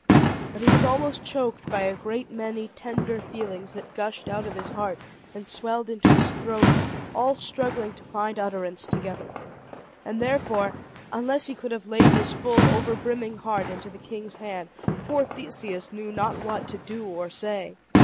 But he was almost choked by a great many tender feelings that gushed out of his heart and swelled into his throat, all struggling to find utterance together. And therefore, unless he could have laid his full, over brimming heart into the king's hand, poor Theseus knew not what to do or say.